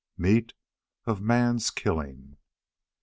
MEAT OF MAN'S KILLING!